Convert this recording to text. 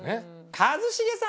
一茂さん